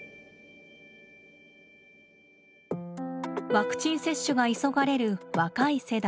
ワクチン接種が急がれる若い世代。